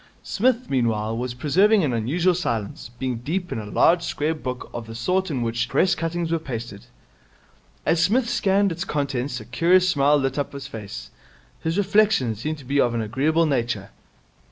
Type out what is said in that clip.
Psmith, meanwhile, was preserving an unusual silence, being deep in a large square book of the sort in which Press cuttings are pasted. As Psmith scanned its contents a curious smile lit up his face. His reflections seemed to be of an agreeable nature.